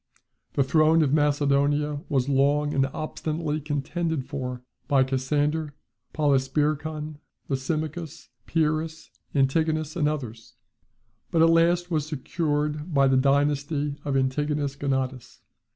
The throne of Macedonia was long and obstinately contended for by Cassander, Polysperchon, Lysimachus, Pyrrhus, Antigonus, and others; but at last was secured by the dynasty of Antigonus Gonatas.